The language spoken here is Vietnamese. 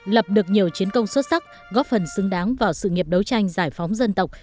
lập được nhiều chiến công xuất sắc góp phần xứng đáng vào sự nghiệp đấu tranh giải phóng dân tộc